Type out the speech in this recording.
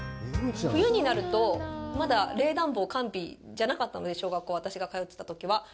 冬になるとまだ冷暖房完備じゃなかったので、小学校、私が通ってたときは。